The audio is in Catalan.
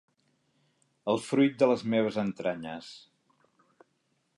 El fruit de les meves entranyes.